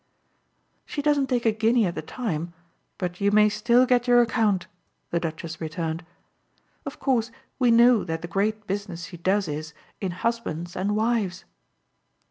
"She doesn't take a guinea at the time, but you may still get your account," the Duchess returned. "Of course we know that the great business she does is in husbands and wives."